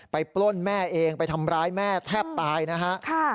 ปล้นแม่เองไปทำร้ายแม่แทบตายนะฮะ